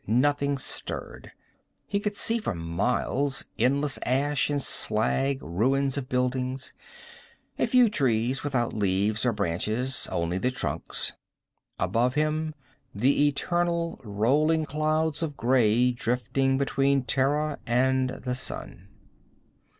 Nothing stirred. He could see for miles, endless ash and slag, ruins of buildings. A few trees without leaves or branches, only the trunks. Above him the eternal rolling clouds of gray, drifting between Terra and the sun.